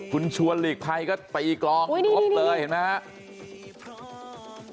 คุณชวนลิกไทยก็ปีกรองรบเลยเห็นมั้ยฮะอุ้ยนี่นี่นี่